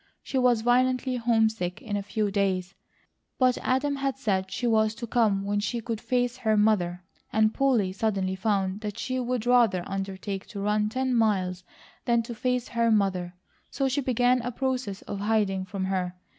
She was violently homesick in a few days; but Adam had said she was to come when she "could face her mother," and Polly suddenly found that she would rather undertake to run ten miles than to face her mother, so she began a process of hiding from her.